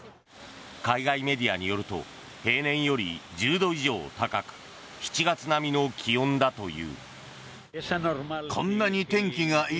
海外メディアによると平年より１０度以上高く７月並みの気温だという。